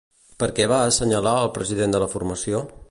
Per què va assenyalar el president de la formació?